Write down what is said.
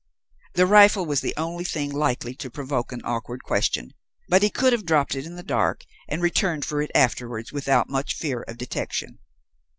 The rifle was the only thing likely to provoke an awkward question, but he could have dropped it in the dark and returned for it afterwards without much fear of detection.